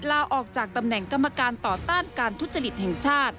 ลาออกจากตำแหน่งกรรมการต่อต้านการทุจริตแห่งชาติ